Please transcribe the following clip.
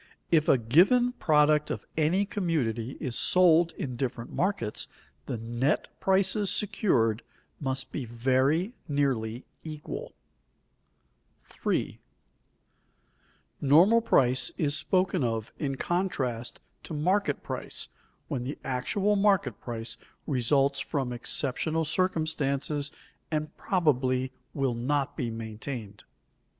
If a given product of any community is sold in different markets, the net prices secured must be very nearly equal. [Sidenote: The conceptions normal and market price] 3. _Normal price is spoken of in contrast to market price when the actual market price results from exceptional circumstances and probably will not be maintained.